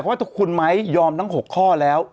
ว่าคุณไม้ยอมทั้ง๖ข้อแล้ว